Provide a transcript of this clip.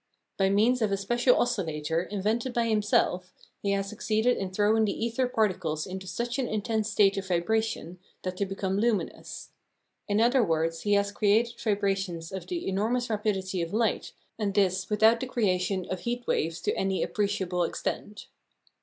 By means of a special oscillator, invented by himself, he has succeeded in throwing the ether particles into such an intense state of vibration that they become luminous. In other words, he has created vibrations of the enormous rapidity of light, and this without the creation of heat waves to any appreciable extent.